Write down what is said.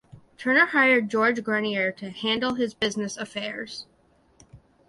Turner hired George Grenier to handle his business affairs.